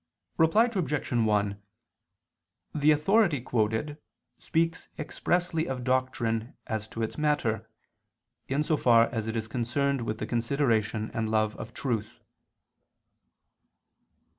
Reply Obj. 1: The authority quoted speaks expressly of doctrine as to its matter, in so far as it is concerned with the consideration and love of truth.